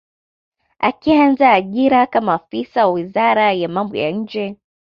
Akianza ajira kama afisa wa wizara ya mambo ya nje